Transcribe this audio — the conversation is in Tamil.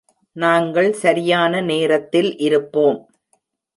நாங்கள் சரியான நேரத்தில் இருப்போம்.